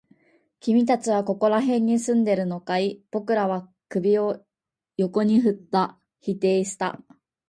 君たちはここら辺に住んでいるのかい？僕らは首を横に振った。否定した。